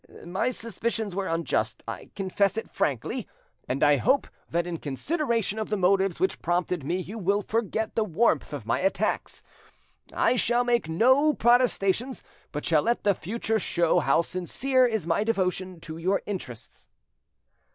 My suspicions were unjust, I confess it frankly, and I hope that in consideration of the motives which prompted me you will forget the warmth of my attacks. I shall make no protestations, but shall let the future show how sincere is my devotion to your interests."